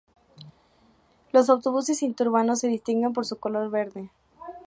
Los autobuses interurbanos, se distinguen por su color verde.